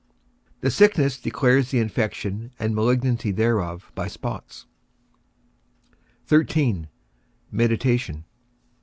The sickness declares the infection and malignity thereof by spots. XIII. MEDITATION.